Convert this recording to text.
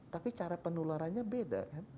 tapi cara penularannya beda